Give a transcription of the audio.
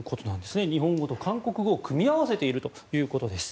日本語と韓国語を組み合わせているということです。